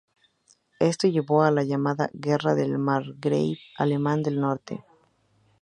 Esto llevó a la llamada "Guerra del margrave alemán del norte".